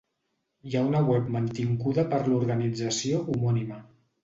Hi ha una web mantinguda per l'organització homònima.